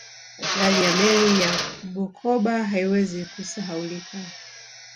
ajali ya meli ya bukoba haiwezi kusahaulika